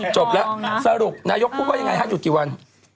จบแล้วสรุปนายกพูดว่ายังไงฮะหยุดกี่วัน